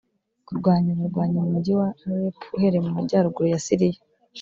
kurwanya abarwanyi mu Mujyi wa Alep uherereye mu Majyaruguru ya Siriya